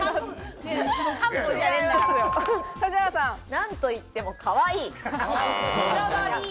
何と言ってもかわいい。